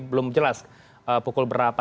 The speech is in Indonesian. belum jelas pukul berapa